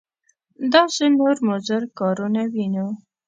داسې نور مضر کارونه وینو.